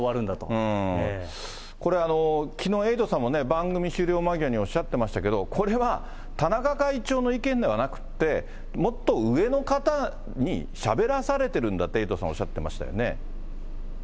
これきのう、エイトさんも番組終了間際におっしゃってましたけど、これは田中会長の意見ではなくて、もっと上の方に、しゃべらさせてるんだと、エイトさんおっしゃってましたよね。